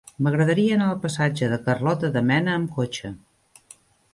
M'agradaria anar al passatge de Carlota de Mena amb cotxe.